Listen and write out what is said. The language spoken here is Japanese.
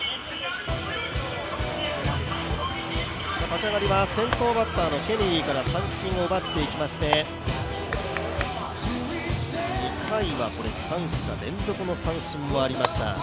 立ち上がりは先頭バッターのケネリーから三振を奪っていきまして、２回は三者連続の三振もありました